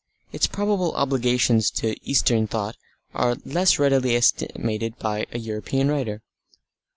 Its probable obligations to Eastern thought are less readily estimated by a European writer.